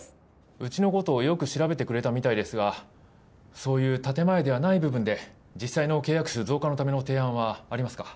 うちのことをよく調べてくれたみたいですがそういう建前ではない部分で実際の契約数増加のための提案はありますか？